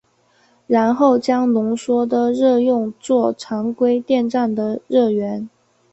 然后将浓缩的热用作常规电站的热源。